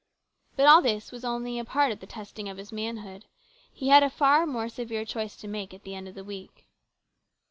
* But all this was only a part of the testing of his manhood. He had a far more severe choice to make at the end of the week.